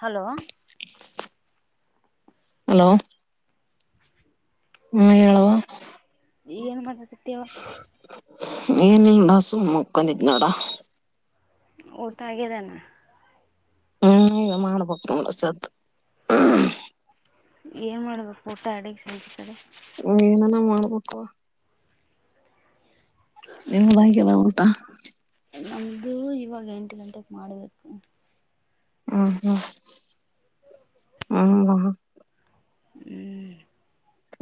Hello hello ಹ್ಮ್ ಹೇಳುವ ಏನು ಮಾಡಾಕತ್ತಿ ಯವಾ ಏನಿಲ್ಲ ನೋಡ್ ಸುಮ್ಮ ಮಲ್ಕೊಂಡಿನಿ ನೋಡ್ ಊಟ ಆಗ್ಯದೇನ್ ಹ್ಮ್ ಈಗ ಮಾಡಬೇಕ್ ನೋಡ್ ಸದ್ದು ಏನ್ ಮಾಡ್ಬೇಕು ಊಟ ಅಡಗೆ ಸಂಜಿ ಕಡೆ ಏನನ ಮಾಡಬೇಕ್ ಅವ್ವಾ ನಿಮ್ಮದಾಗ್ಯದ ಊಟ ನಮ್ದು ಇವಾಗ ಎಂಟು ಗಂಟೆಗೆ ಮಾಡ್ಬೇಕ ನೋಡ್ ಹ್ಮ ಹ್ಮ್ ಹ್ಮ ಹ್ಮ ಹ್ಮ್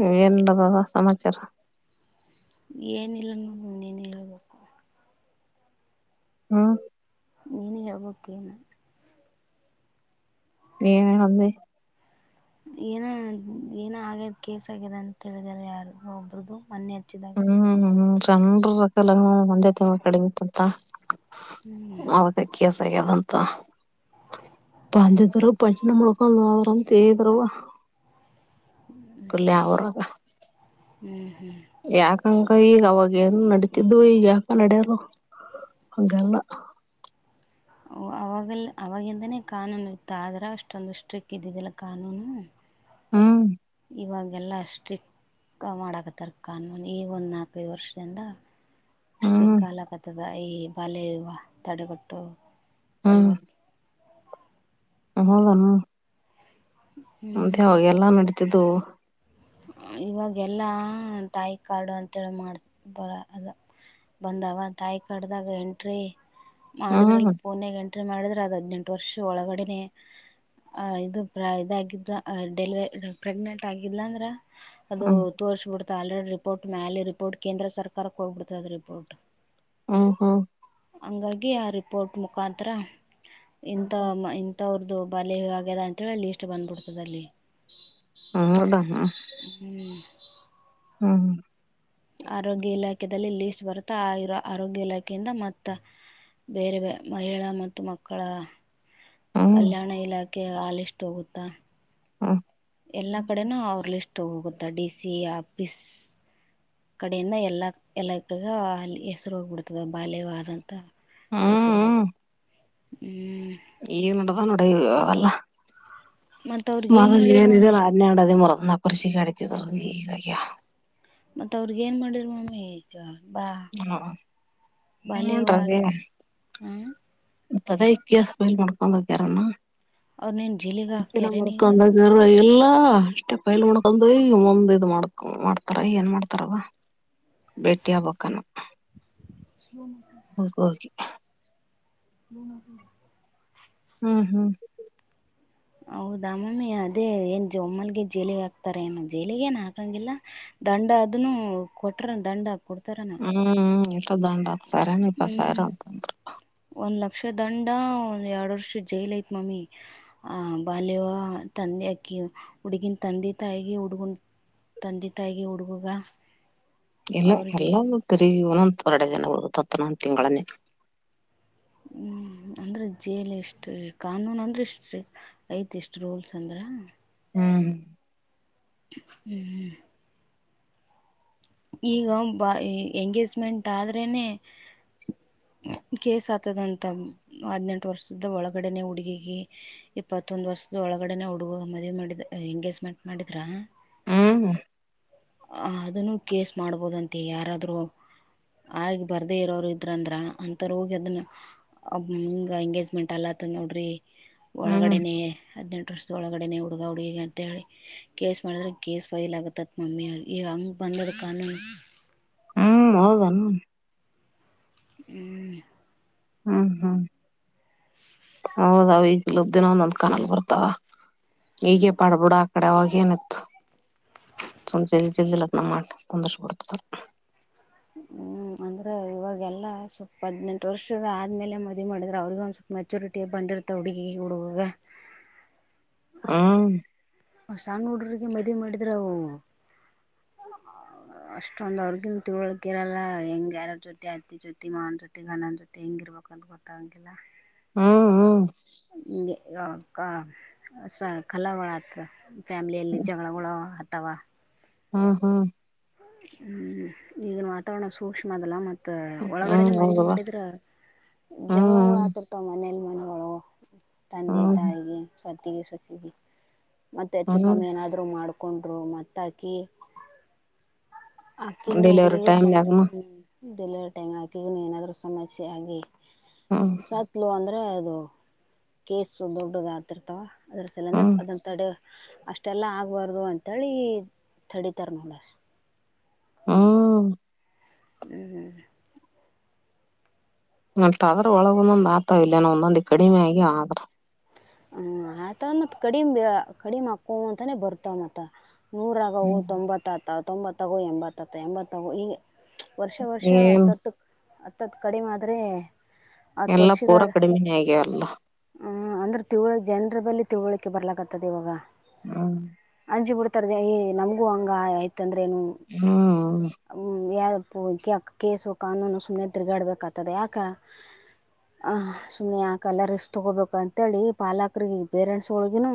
ಏನ ನಡದದ ಅವ್ವಾ ಸಮಾಚಾರ ಏನಿಲ್ಲ ನೋಡ ನೀನ್ ಹೇಳ್ಬೇಕು ಹ್ಮ ನೀನ ಹೇಳಬೇಕು ಏನರ ನೀ ಏನ್ ಏನ್ ಹೊಲ್ಡಿ ಏನ ಏನ ಆಗ್ಯದ ಕೇಸ್ ಆಗಿದೆ ಅಂತ ಹೇಳಿದಿದ್ದಾರೆ ಯಾರು ಒಬ್ರ್ದು ಮೊನ್ನೇದು ಹ್ಮ ಹೂ ಚಂದ್ರ ರಕಾಲ ಒಂದೇ ತಿಂಗಳ ಕಡಿಮೆ ಇಂತಂತ ಅವನ್ದೇ ಕೇಸ ಆಗ್ಯದ ಅಂತ ಬಂದಿದ್ರು ಪಟ್ನಾ ಮುಳುಕೊಂಡಾ ಹೋದ್ರು ಅಂತ ಹೇಳಿದ್ರು ಕಾಲಿ ಯವರಾ ಯಾಕ ಹಂಗ್ ಈಗ ಅವಾಗ ಏನ್ ನಡತಿದ್ದು ಈಗ ಯಾಕ ನಾಡಲ್ಯುವ ಹಂಗಲ್ಲ ಅವ್ವ ಅವಾಗಲ್ಲ ಅವವಾಗಿಂದನೇ ಕಾನೂನು ಇತ್ತು ಆದ್ರೆ ಅಷ್ಟೊಂದು ಸ್ಟ್ರಿಕ್ ಇದ್ದಿದ್ದಿಲ್ಲ ಕಾನೂನು ಹ್ಮ್ ಇವಾಗೆಲ್ಲ ಸ್ಟಿಕ್ ಮಾಡಕತಾರಾ ಕಾನೂನು ಈ ಒಂದು ನಾಲ್ಕೈದು ವರ್ಷದಿಂದ ಹ್ಮ್ ಸ್ಟ್ರಿಕ್ಟ್ ಅಲಕತುದ ಈ ಬಾಲ್ಯ ವಿವಾಹ ತಡೆಗಟ್ಟು ಚಲು ಆತ್ ಹೌದೆನ್ ಮತ್ತೆ ಅವಾಗೆಲ್ಲ ನಡತಿದು ಅವ ಇವಾಗ ಎಲ್ಲಾ ತಾಯಿ ಕಾರ್ಡು ಅಂತೇಳಿ ಮಾಡಿಸಿ ಬಿಡ್ತಾರ ಬಂದವ ತಾಯಿ ಕಡ್ದಾಗ ಎಂಟ್ರಿ ಹ್ಮ್ ಮಾಡಿದ್ರಲ್ಲಿ ಪೋನಾಗ ಎಂಟ್ರಿ ಮಾಡಿದ್ರೆ ಅದು ಹದ್ನೆಂಟು ವರ್ಷ ಒಳಗಡೆನೆ ಆ ಇದು ಇದಾಗಿದ ಡೆಲ್ ಪ್ರೆಗ್ನೆಂಟ್ ಆಗಿದ್ದಿಲ್ಲ ಅಂದ್ರ ಅದು ಹ್ಮ್ ತೋರಿಸ್ಬಿಡತಾ ಆಲ್ರೆಡಿ ರಿಪೋರ್ಟ್ ಮ್ಯಾಲಲೆ ರಿಪೋರ್ಟ್ ಕೇಂದ್ರ ಸರ್ಕಾರಕ್ಕೆ ಹೋಗ್ಬಿಡ್ತ ಅದ ರಿಪೋರ್ಟ್ ಹ್ಮ ಹ್ಮ್ ಹಂಗಾಗಿ ಆ ರಿಪೋರ್ಟ್ ಮುಖಾಂತರ ಇಂಥ ಇಂತಥವ್ರದ್ದು ಬಾಲ್ಯ ವಿವಾಹ ಆಗ್ಯದ ಅಂತೇಳಿ ಅಲ್ಲಿ ಲಿಸ್ಟ್ ಬಂದ್ಬಿಡ್ತದಲ್ಲಿ ಹೂ ಲಾ ಹ್ಮ್ ಹ್ಮ್ ಆರೋಗ್ಯ ಇಲಾಖೆದಲ್ಲಿ ಲಿಸ್ಟ್ ಬರುತ್ತಾ ಆ ಇರೋ ಆರೋಗ್ಯ ಇಲಾಖೆಯಿಂದ ಮತ್ತ ಬೇರೆ ಬ ಮಹಿಳಾ ಮತ್ತು ಮಕ್ಕಳ ಹ್ಮ್ ಕಲ್ಯಾಣ ಇಲಾಖೆ ಹಾಲ್ ಲಿಷ್ಟ್ ಹೋಗುತ್ತಾ. ಹ್ಮ್ ಎಲ್ಲಾ ಕಡೆನೂ ಅವ್ರ ಲಿಸ್ಟ್ ಹೋಗುತ್ತ ಡಿ ಸಿ ಆಫೀಸ್. ಕಡೆಯಿಂದ ಎಲ್ಲ ಎಲ್ಲಕ್ಕಗ ಅ ಹೆಸರು ಹೋಗ್ಬಿಡ್ತದ ಬಾಲ್ಯವಿವಾಹದಂತ. ಹೆಸರು ಬ ಹ್ಮ್. ಈಗ್ ನಡದವ್ ನೋಡ ಅವೆಲ್ಲ ಮತ್ತು ಅವ್ರಿಗೆ ಏನು ಮದಲ್ ಮಾಡಿದ್ರು ಏನ್ ಮ್ಯಾಮ್ ಇದ್ಯಲ್ಲ ಹನ್ನೆರಡು ಹಾದಿಮುರು. ನ ಕುರಿಶಿ ಕಡತಿ [unintelligible] ಮತ್ತ್ ಅವ್ರಗ ಏನ್ ಮಾಡಿದರ್ ಮಾಮಿ ಈಗ ಬಾ ಏನ್ ಬಾಲ್ಯ ವಿವಾಹ ಆಗಿದೆ ಹಾ. ತದ ಇಕ್ಕೇಲ್ ಫೈಲ್ ಮಾಡ್ಕೋಬೇಕ್ ಯಾರನ್ನ. ಅವ್ರ ನೀನ್ ಜೀಲಿಗ ಹಾಕ್ಯಾರೇನ ಈಗ [unintelligible] ಎಲ್ಲ ಹಾ ಅಷ್ಟೇ ಪೈಲ್ ಮಾಡ್ಕೊಂಡ ಈ ಒಂದ್ ಇ ಮಾಡ್ ಮಾಡ್ತಾರ ಏನ್ ಮಾಡ್ತಾರವ. ಭೇಟಿಯಾಗಬೇಕೇನ. [inaudible] [unintelligible] ಹ್ಮ್ ಹ್ಮ್ ಹೌದ ಮಮ್ಮಿ ಅದೇ ಏನ್ ಒಮ್ಮನ್ಗೆ ಜೈಲಿಗ್ ಹಾಕ್ತಾರ ಏನು ಜೀಲಿಗೆನ್ ಹಾಕಂಗಿಲ್ಲ. ದಂಡ ಅದನ್ನು ಕೊಟ್ರೆ ದಂಡ ಹಾ ಕೊಡ್ತ ಹ್ಮ್ ನನನ ಎಷ್ಟ ದಂಡ ಹತ್ತು ಸಾವಿರನೊ ಇಪ್ಪತ್ ಹ್ಮ್ ಸಾವಿರನೋ ಅಂದ್ರು. ಒಂದ್ ಲಕ್ಷ ದಂಡ ಒಂದ್ ಎರಡು ವರ್ಷ ಜೈಲ್ ಐತ್ ಮಮ್ಮಿ ಆ ಬಾಲ್ಯ ವಿವಾಹ ತಂದೆ ಅಕಿ. ಹುಡುಗಿನ್ ತಂದೆ ತಾಯಿಗೆ ಹುಡುಗನ್ ತಂದೆ ತಾಯಿಗೆ ಹುಡುಗುಗ. ಎಲ್ಲ ಎಲ್ಲ ತಿರುಗಿ ಒನೊಂದ ಹೊರಡ ದಿನ ಉಳತ್ತನೊಂದ ತಿಂಗಳನ್ನೇ. ಹ್ಮ್ ಅಂದ್ರೆ ಜೇಲ್ ಎಷ್ಟು ಕಾನೂನ್ ಅಂದ್ರೆ ಎಷ್ಟ ಐತಿ ಇಷ್ಟ್ ರೂಲ್ಸ್ ಅಂದ್ರ. ಹ್ಮ್ ಹ್ಮ್ ಹ್ಮ ಈಗ ಬ ಎಂಗೇಜ್ಮೆಂಟ್ ಆದ್ರೇನೆ. ಕೇಸ್ ಆತದಂತ ಹದ್ನೆಂಟು ವರ್ಷದ್ದ ಒಳಗಡೆನೆ ಹುಡುಗಿಗೆ ಇಪ್ಪ ಇಪ್ಪತ್ತೊಂದ್ ವರ್ಷದ ಒಳಗಡೆನೆ ಹುಡುಗ ಮದ್ವಿ ಮಾಡಿದ ಎಂಗೇಜ್ಮೆಂಟ್ ಮಾಡಿದ್ರಾ. ಹ್ಮ ಆ ಅದನ್ನು ಕೇಸ್ ಮಾಡ್ಬೋದಂತೆ ಯಾರಾದ್ರೂ. ಆಗ್ ಬರ್ದೇ ಇರೋರು ಇದ್ರ ಅಂದ್ರ ಅಂತಾರ ಹೋಗಿ ಅದನ್ನ ಹಿಂಗ ಎಂಗೇಜ್ಮೆಂಟ್ ಅಲ್ಲ. [unintelligible] ಮ ನೋಡ್ರಿ ಹ್ಮ್ ಒಳಗಡೆನೆ ಅದ್- [unintelligible] ಒಳಗಡೆ ಹುಡುಗ ಹುಡುಗ ಅಂತ ಹೇಳಿ ಕೇಸ್ ಮಾಡಿದ್ರೆ ಕೇಸ್ ಫೈಲ್ ಆಗತ್ತತ್ ಮಮ್ಮಿ ಈಗ ಹಂಗ ಬಂದದ್ ಕಾನ ಹ್ಮ ಹ್ಮ್ ಹ್ಮ್ ಹ್ಮ್ ಹೌದಾವ ಈಗಲೊಬ್ ದಿನ ಒಂದೊಂದ್ ಕಾನಲ್ ಬರ್ತಾವ. ಈಗ ಪಾಡ್ಬುಡ ಆ ಕಡೆ ಅವಾಗೇನಿತ್ತು. [unintelligible] ಲಗ್ನ ಮಾಡ ಕುಂದಷ್ಟ ಕೊಡ್ತಾರ. ಹ್ಮ್ ಅಂದ್ರೆ ಇವಾಗೆಲ್ಲ ಸ್ವಲ್ಪ ಹದ್ನೆಂಟು ವರ್ಷದ ಆದ್ಮೇಲೆ ಮದಿ ಮಾಡಿದ್ರೆ ಅವ್ರಿಗ ಒಂದ ಸ್ವಪ ಮೆಚೂರಿಟಿ ಬಂದಿರ್ತಾವ ಹುಡುಗಿ ಹುಡುಗಾಗ ಹಾ ಸಣ್ಣ ಹುಡ್ರುಗೆ ಮದುವೆ ಮಾಡಿದ್ರೆ ಅವು. ಅಷ್ಟೊಂದ ಅವ್ರಿಗನ್ ತಿಳೊ ಇರಲ್ಲ ಹೆಂಗ ಯಾರ ಜೊತೆತಿ ಅತ್ತಿ ಜೊತಿ ಮಾನ ಜೊತಿ ಗಣನ ಜೊತೆ ಹೆಂಗಿರ್ಬದು [unintelligible] ಗೊತ್ತಾಗಂಗಿಲ್ಲ. ಹ್ಮ್ ಹ್ಮ್ ಯಪ್ಪಾ ಕಸಲಾವಳತ್. ಫ್ಯಾಮಿಲಿಯಲ್ಲಿ ಜಗಳಗಳು ಅತವಾ. ಹಾ ಹ್ಮ್ ಹ್ಮ್ ಈಗನ್ ವಾತಾವರಣ ಸೂಕ್ಷ್ಮ ಅದಲ್ಲ ಮತ್ತ್. ಹ್ಮ್ ಒಳಗಡೆನೆ ಮದ್ವಿ ಹೌದವಾ ಮಾಡಿದ್ರ ಜಗಳಗಳ್ ಹ್ಮ್ ಆತಿರ್ತಾವ ಮನೇಲಿ ಮ ಹೂ ತಂದೆ ಹ್ಮ್ ತಾಯಿ ಸತಿ ಪತಿ ಮತ್ತೆ ಹೆಚ್ಚು ಹ್ಮ್ ಕಮ್ಮಿ ಏನಾದ್ರು ಮಾಡ್ಕೊಂಡ್ರು ಮತ್ತಾಕಿ ಅಕ್ಕಿಗ ಡೆಲಿವರಿ ಹುಡುಗಿಗ ಟೈಮ್ನಾಗನು [unintelligible] ಏನಾದ್ರು ಸಮಸ್ಯೆ ಆಗಿ ಹ್ಮ್ ಸತ್ಲು ಅಂದ್ರೆ ಅದು ಕೇಸ್ ದೊಡ್ಡದ ಆತಿರ್ತಾವ ಅದರ ಸಲ ಹ್ಮ್ ಅದೊ ತಡೆ ಅಷ್ಟೆಲ್ಲಾ ಆಗ್ಬಾರ್ದು ಅಂತೇಳಿ ತಡಿತಾರ ನೋಡ ಹ್ಮ ಹ್ಮ್ ಮತ್ ಅದ್ರ ಒಳಗೊಂದೊಂದ್ ಆಗ್ತಾವ ಇಲ್ಲನ ಒಂದೊಂದ್ ಕಡಿಮೆ ಆಗಿ ಆದ್ರ ಹ್ಮ ಆತ ಮತ್ ಕಡಿಮ ಕಡಿಮ ಆತದ ಅಂತಾನೆ ಬರ್ತವ ಮತ್ತ ನೂರಗ ಹ್ಮ್ ತೊಂಬತ್ತತ್ತ ತೊಂಬತ್ತಾಗೋ ಎಂಬತ್ತತ್ತ ಎಂಬತ್ತಗೋ ಈಗ ವರ್ಷ ವರ್ಷ ಏನ್ ಹತ್ತತ್ ಹತ್ತತ್ ಕಡಿಮೆ ಆದ್ರೆ ಎಲ್ಲಾ ಪೂರಾ ಕಡಿಮಿನ ಆಗ ಎಲ್ಲ ಹ ಅಂದರೆ ತಿಳ ಜನರ ಬಲ್ಲಿ ತಿಳುವಳಿಕೆ ಬರ್ಲಕ್ಕಾಗ್ತದೆ ಇವಾಗ ಹ್ಮ ಅಂಚಿ ಬಿಡ್ತಾರ ನಮಗೂ ಹಂಗ ಆಯ್ತ ಅಂದ್ರ ನು ಹ್ಮ್ ಯ ಯಾಕ ಕೇಸು ಕಾನೂನು ಸುಮ್ನೆ ತಿರುಗಾಡ್ಬೇಕಾಗತದೆ ಯಾಕ ಹ ಸುಮ್ಮನೆ ಯಾಕಲ್ಲ ರಿಸ್ಕ್ ತಗೋಬೇಕು ಅಂತೇಳಿ ಪಾಲಕ್ರ ಪೇರೆಂಟ್ಸ್ ಒಳಗಿನ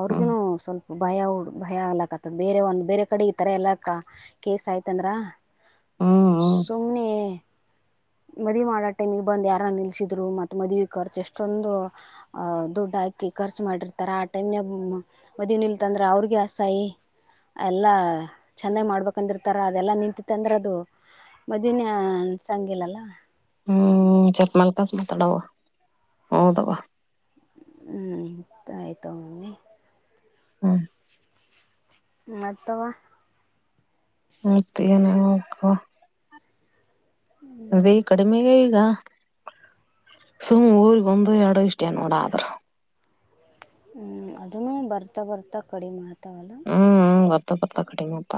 ಅವ್ರಿಗನು ಸ್ವಲ್ಪ ಭಯ ಉ ಭಯ ಆಗ್ಲಕ್ ಆತದ ಬೇರೆ ಒಂದ ಬೇರೆ ಕಡೆ ಈತರ ಎಲ್ಲ ಕಾ ಕೇಸ್ ಆಯ್ತಂದ್ರ ಹ್ಮ್ ಸುಮ್ನೆ ಮದುವೆ ಮಾಡೋ ಟೈಮಿಗೆ ಬಂದು ಯಾರ ನಿಲ್ಸಿದ್ರು ಮತ್ತ್ ಮದುವೆ ಖರ್ಚು ಎಷ್ಟೊಂದು ಅ ದುಡ್ ಹಾಕಿ ಖರ್ಚು ಮಾಡಿರ್ತಾರ ಆ ಟೈಮ್ನ ಮದುವ ನಿಲ್ತಂದ್ರೆ ಅವ್ರಿಗೆ ಅಸಾಯಿ ಅಲ್ಲಾ ಚಂದಾಗ್ ಮಾಡ್ಬೇಕಂದಿರ್ತಾರ ಅದೆಲ್ಲಾ ನಿಂತತ್ತ ಅಂದ್ರೆ ಅದು ಮದುವೆನೇ ನಿಲ್ಸಲ್ಗಿಲ್ಲ ಅಲ್ಲ ಹ್ಮ್ ಚಟ್ ಮಾಲ್ಲ್ಕಾಸ ಮಾತಡವ ಹೌದು ಹ್ಮ್ ತಾಯಿತ ಅವ್ನೆ ಹ್ಮ ಮತ್ತವಾ ಮತ್ಹೇನವ ಹಾ ಅದೇ ಈ ಕಡಿಮೆಗೆ ಈಗ ಸುಮ್ಮ್ ಊರಿಗೊಂದು ಎರಡು ಇಷ್ಟೇ ನೋಡ ಆದ್ರರು ಹ್ಮ್ ಅದನ್ನು ಬರ್ತಾ ಬರ್ತಾ ಕಡಿಮೆ ಆತವಲ್ಲ ಬರ್ತ ಕಡಿಂಗ ಅತ್ತ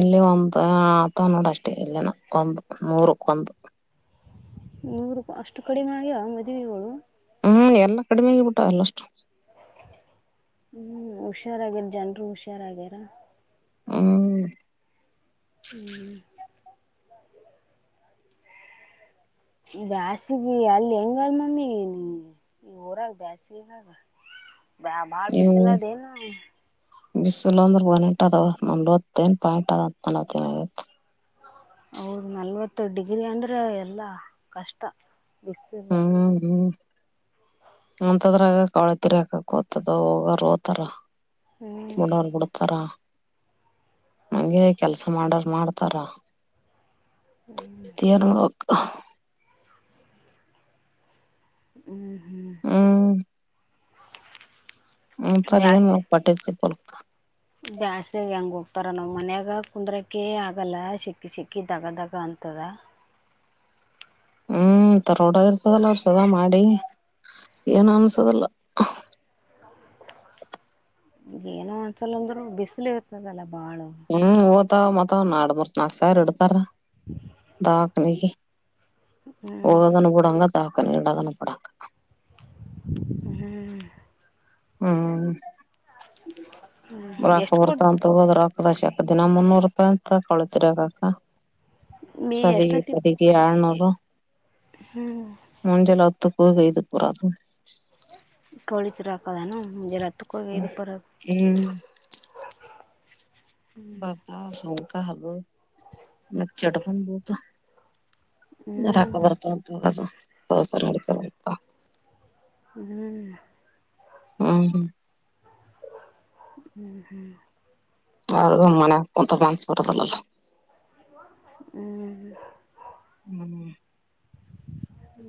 ಇಲ್ಲಿ ಒಂದು ನೋಡಷ್ಟೇ ಇಲ್ಲೇನ ಒಂದು ನೂರಕ್ ಒಂದು ನೂರುಪಾಯಿ ಅಷ್ಟು ಕಡಿಮೆ ಆಗ್ಯ ಮದುವೆ ಇವಾಗ ಎಲ್ಲ ಕಡಿಮೆಗೆ ಬಿಟ್ಟಾವ ಎಲ್ಲ ಅಷ್ಟು ಹ್ಮ್ ಹುಷಾರಾಗಿರು ಜನ್ರು ಹುಷಾರಾಗ್ಯಾರ ಹ್ಮ ಹ್ಮ್ ಬ್ಯಾಸಿಗೆ ಗೆ ಅಲ್ಲಿ ಹೆಂಗಾ ನಮಿಗೆ ನೀ ಈ ಊರಗ ಬೇಸ್ಗೆಗಾಗ ಬಾಳ್ ಇವು ಬಿಸಲದ ಏನು ಬಿಸಿಲು ಅಂದ್ರೆ ಒಂದೆಂದವ ನವತ್ತನ್ ಪಾಯಿಂಟ್ದ ಹ ಆತಿ ಹೌದ ನಲ್ವತ್ತು ಡಿಗ್ರಿ ಅಂದ್ರೆ ಎಲ್ಲಾ ಕಷ್ಟ ಬಿಸಿಲು ಹ್ಮ ಹ್ಮ್ ಅಂತದ್ರಾಗ ಕಳೆ ತಿರಿ ಹಾಕಕ್ ಹೋತಾಡೋ ಓತಾರ ಹ್ಞೂ ಕೇಳೋರು ಬಿಡ್ತಾರಾ ಹಂಗೆ ಕೆಲ್ಸ ಮಾಡಾರ ಮಾಡ್ತಾರ ಹೂ ಆ ಹೂ ಹ್ಮ್ ಹೂ ಸರಿ ಏನು ಮ ಪಠಾ ಪುಲ್ತ ಬ್ಯಾಸರಾಗ ಹೆಂಗೋ ರ ನಾವ್ ಮನ್ಯಾಗ ಕುಂದ್ರಕೆ ಆಗಲ್ಲ ಸಿಕ್ಕಿ ಸಿಕ್ಕಿ ದಗ ದಗ ಅಂತದ ಹೂ ತರೋಡಾಗಿ ಇರ್ತದಲ್ಲ ಅವ್ರ ಸದಾ ಮಾಡಿ ಏನು ಅನ್ಸದೀಲ್ಲ ಏನೋ ಅನ್ಸಲ್ಲಂದ್ರು ಬಿಸಿಲು ಇರ್ತದಲ್ಲ ಭಾಳ ಹೂ ಹೊತವ ಮತ ನಾಡ್್ಮರ್ ಸನಾಕ್ ಸ ಇಡ್ತಾರ ದವಕನಿಗೆ ಹ್ಞೂ ಹೋಗದಾನ ಬಿೂಡಂಗ ದೇವಕನಿಗೆ ತಾಕ ನೀ ಇಡ ತಾನೂ ಬಿೂಡಾಂಗ ಹೂ ಹೂ ಹ್ಞೂ ರೊಕ್ಕ ಎಷ್ಟು ಕೊಟ್ಟು ಬರ್ತಂತಗೋದ್ರಕ್ಕ ಶಪ ದಿನ ಮುನ್ನೂರು ರೂಪಾಯಿ ಅ ತಗೊಳ್ತಿರ ಅಗಕ್ಕ ಮೇ ಸದಗೆಿ ಎಷ್ಟೊತ್ತಿಗೆ ಪದಿಗೆಿ ಆಳ್ನೂರು ಮುಂಜಲ ಹೊತ್ತು ಹ ಇದು ಬರೋದು ಕೋಳಿ ರಾಕೋದ ನ ಗುಜರಾ ್ಮ ಹೂ ಬತ ಸೌಕ ಹದು ಮ ಚಟಕೊಂಡ ಬೀಳ್ತವು ನ ಹಾಕೊ ಹ್ಞೂ ಬರ್ತಂತ ದೋಸ ನಡತವೆಂತ ಹೂ ಹೂ ಹೂ ಹೂ ಅವರು ಮನೆ ಒಂತ ಮಾನ್ಸ್ಪಟ್ಟದಲ್ಲಲ್ಲ ಹೂ ಹೂ ಹೂ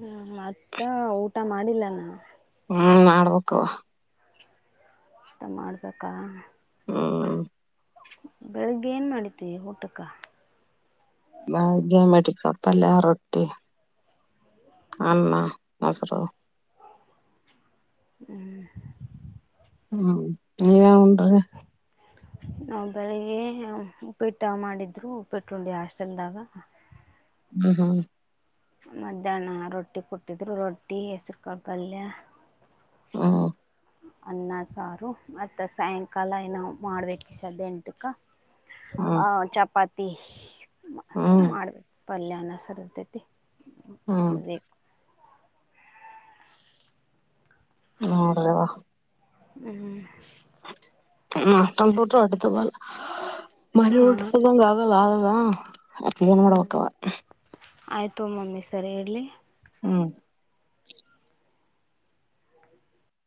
ಹೂ ಮತ್ತ ಊಟ ಮಾಡಿಲ್ಲ ನಾ ಹೂ ಮಾಡಡ್ಬೇಕುವ ನಷ್ಟ ಮಾಡ್ಬೇಕಾ ಹ್ಮ್ ಬೆಳಗ್ಗೆ ಏನ್ ಮಾಡತಿ ಊಟಕ್ಕ ಬೆಳ್ಳಗೆ ವೇಟಿಿಕಳಪಲ್ಲ ರೊಟ್ಟಿ ಅನ್ನ ಮೊಸರು ಹೂ ಹೂ ನೀವೇನ್ ಉಂಡ್ರಿ ಹ ನಾವು ಬೆಳಿಗ್ಗೆ ಉಪೇಟ ಮಾಡಿದ್ರು ಉಪ್ಪೇಟ್ಟಂಡಿ ಹಾಸ್ಟೆಲ್ದಾಗ ಹೂ ಹ ಮಧ್ಯಾಹ್ನ ರೊಟ್ಟಿ ಕೊಟ್ಟಿದ್ರು ರೊಟ್ಟಿ ಹೆಸರುಕಪಲ್ಯ ಹೂ ಅನ್ನ ಸಾರು ಮತ್ತ ಸಾಯಂಕಾಲ ಏ ನಾವು ಮಾಡ್ಬೇಕ ಸದ ಎಂಟಿಕ ಆ ಚಪಾತಿ ಹೂ ಪಲ್ಯಾ ಅನ್ನ ಸಾರು ಇರ್ತೈತಿ ಹ್ಮ್ ನೋಡ್ರಿವಾಾ ಹೂ ಹೂ ಕಂಪ್ಯೂಟರ್ ಅಡ್ತಬಲ ಮರಿ ಹಾಂ ಊಟದಂಗ ಆಗಲ್ಲ ಆದಲ್ಲಾ ಅಚ್ಚ ಜನೋಡ ಪಕ್ಕವ ಆಯ್ತು ತಗೋ ಮಮ್ಮಿ ಸರಿ ಇಡ್ಲಿ ಹ್ಹೂ